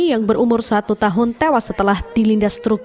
yang berumur satu tahun tewas setelah dilindas truk